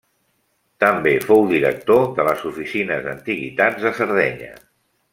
També fou director de les Oficines d'Antiguitats de Sardenya.